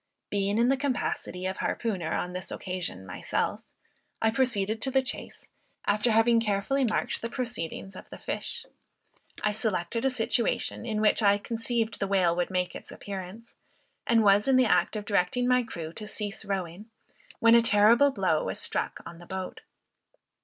Being in the capacity of harpooner on this occasion myself, I proceeded to the chase, after having carefully marked the proceedings of the fish. I selected a situation, in which I conceived the whale would make its appearance, and was in the act of directing my crew to cease rowing, when a terrible blow was struck on the boat.